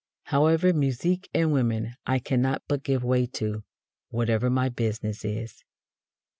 However, musique and women I cannot but give way to, whatever my business is.